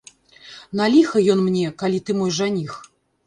На ліха ён мне, калі ты мой жаніх.